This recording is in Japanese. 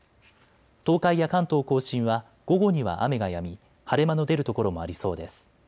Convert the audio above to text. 東海や関東甲信は午後には雨がやみ晴れ間の出る所もありそうです。